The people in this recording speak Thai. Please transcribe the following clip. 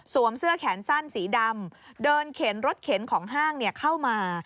เสื้อแขนสั้นสีดำเดินเข็นรถเข็นของห้างเข้ามา